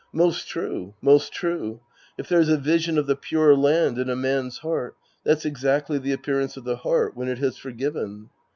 Most true. Most true. If there's a vision of the Pure Land in a man's heart, that's exactly the appearance of the heart when it has forgiven.